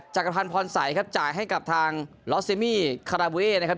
จากภัณฑ์พรษัยครับจ่ายให้กับทางลอสเซมี่คาราบูเอนะครับ